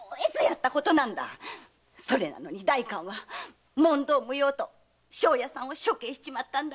それをお代官は「問答無用」と庄屋さんを処刑しちまったんだ。